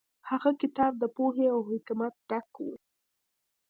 هغه کتاب د پوهې او حکمت ډک و.